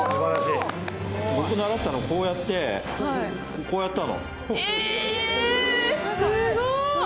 僕習ったのはこうやって、こうやっても。